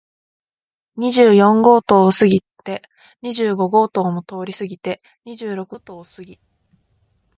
二十四号棟を過ぎて、二十五号棟も通り過ぎて、二十六号棟を過ぎ、